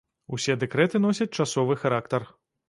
Усе дэкрэты носяць часовы характар.